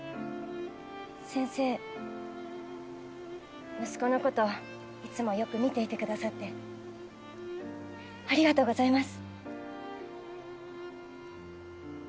先生息子の事いつもよく見ていてくださってありがとうございます！